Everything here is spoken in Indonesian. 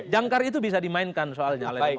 jangkar itu bisa dimainkan soalnya oleh demokrat